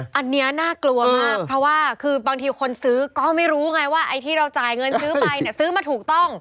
อันนี้น่ากลัวมากเพราะว่าคือบางทีคนซื้อก็ไม่รู้ไงว่าไอ้ที่เราจ่ายเงินซื้อไปเนี่ยซื้อมาถูกต้อง